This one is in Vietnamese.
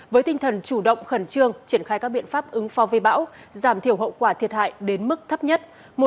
với tinh thần chủ động khẩn trương triển khai các biện pháp ứng phó với bão giảm thiểu hậu quả thiệt hại đến mức thấp nhất